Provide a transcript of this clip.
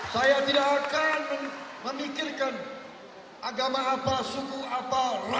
saya tidak akan memikirkan agama agama yang terbaik untuk bangsa